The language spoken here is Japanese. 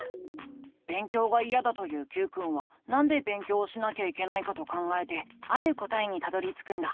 勉強がいやだと言うＱくんはなんで勉強をしなきゃいけないかと考えてある答えにたどりつくんだ。